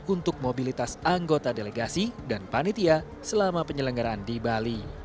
untuk mobilitas anggota delegasi dan panitia selama penyelenggaraan di bali